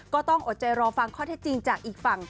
อดใจรอฟังข้อเท็จจริงจากอีกฝั่ง